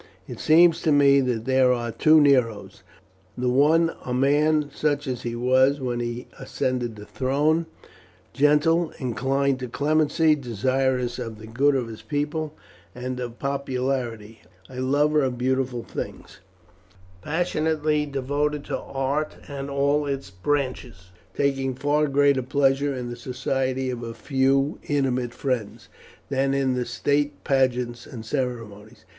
"It seems to me that there are two Neros: the one a man such as he was when he ascended the throne gentle; inclined to clemency; desirous of the good of his people, and of popularity; a lover of beautiful things; passionately devoted to art in all its branches; taking far greater pleasure in the society of a few intimate friends than in state pageants and ceremonies.